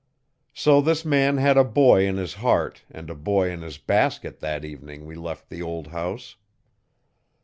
So this man had a boy in his heart and a boy in his basket that evening we left the old house.